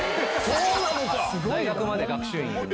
⁉大学まで学習院。